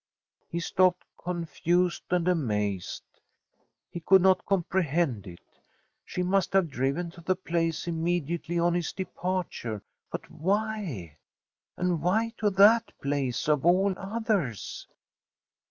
He stopped, confused and amazed. He could not comprehend it. She must have driven to the place immediately on his departure. But why? And why to that place of all others?